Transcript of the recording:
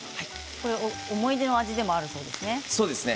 思い出の味でもあるそうですね。